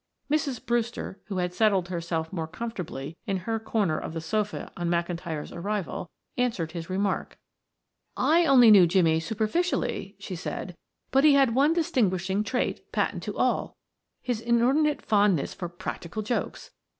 Mrs. Brewster, who had settled herself more comfortably in her corner of the sofa on McIntyre's arrival, answered his remark. "I only knew Jimmie superficially," she said, "but he had one distinguishing trait patent to all, his inordinate fondness for practical jokes.